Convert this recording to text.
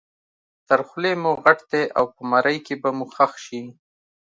تر خولې مو غټ دی او په مرۍ کې به مو ښخ شي.